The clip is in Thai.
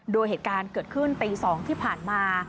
โดยเหตุการณ์เกิดขึ้นตี๒ที่ผ่านมา